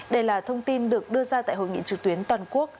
đây là thông tin được đưa ra tại hội nghị trực tuyến toàn quốc